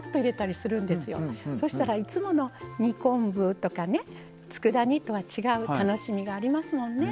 そしたらいつもの煮昆布とかねつくだ煮とは違う楽しみがありますもんね。